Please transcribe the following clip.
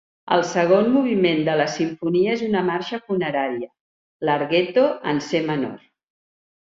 El segon moviment de la simfonia és una marxa funerària "Larghetto" en C menor.